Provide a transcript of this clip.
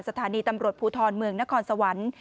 สถานีตำรวจภูทรเมืองนครสวรรค์